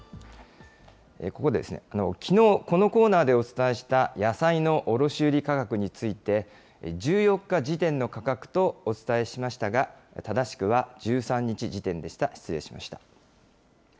ここで、きのう、このコーナーでお伝えした野菜の卸売り価格について、１４日時点の価格とお伝えしましたが、正しくは１３日時点でした。